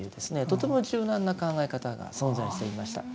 とても柔軟な考え方が存在していました。